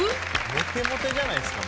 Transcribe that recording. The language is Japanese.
モテモテじゃないですか。